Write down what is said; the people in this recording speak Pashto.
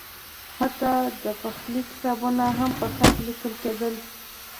حتی د پخلي کتابونه هم په خط لیکل کېدل.